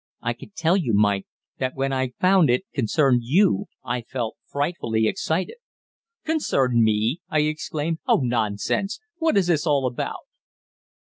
I can tell you, Mike, that when I found it concerned you I felt frightfully excited." "Concerned me!" I exclaimed. "Oh, nonsense. What is it all about?"